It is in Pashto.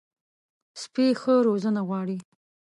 سپي ښه روزنه غواړي.